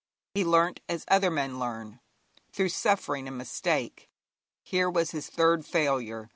He learnt as other men learn, through suffering and mistake. Here was his third failure.